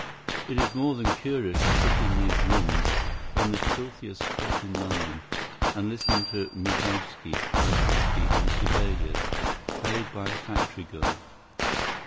It is more than curious to sit in these rooms, in the filthiest spot in London, and listen to Moszkowsky, Tchaikowsky, and Sibelius, played by a factory girl.